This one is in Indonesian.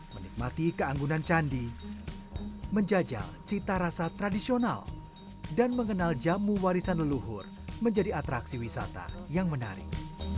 menikmati keanggunan candi menjajal cita rasa tradisional dan mengenal jamu warisan leluhur menjadi atraksi wisata yang menarik